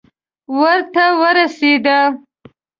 وره ته ورسېده.